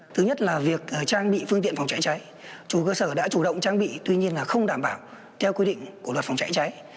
thứ nhất là việc trang bị phương tiện phòng cháy cháy chủ cơ sở đã chủ động trang bị tuy nhiên là không đảm bảo theo quy định của luật phòng cháy cháy